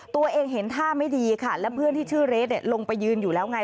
ตัวเองเห็นท่าไม่ดีค่ะและเพื่อนที่ชื่อเรสลงไปยืนอยู่แล้วไง